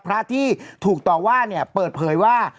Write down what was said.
พระที่ถูกต่อว่าเนี่ยเปิดเผยว่า